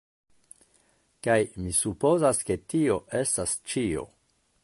Kaj mi supozas ke tio estas ĉio.